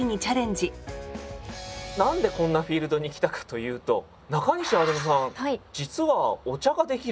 何でこんなフィールドに来たかというと中西アルノさん実はお茶ができる？